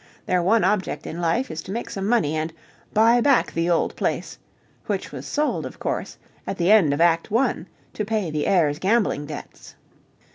Their one object in life is to make some money and "buy back the old place" which was sold, of course, at the end of act one to pay the heir's gambling debts.